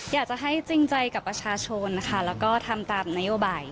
อยากจะให้จริงใจกับประชาชนค่ะแล้วก็ทำตามนโยบาย